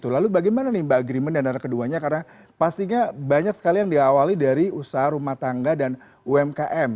lalu bagaimana nih mbak agreement dan anak keduanya karena pastinya banyak sekali yang diawali dari usaha rumah tangga dan umkm